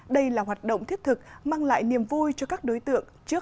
đây là hoạt động thiết thực mang lại niềm vui cho các đối tượng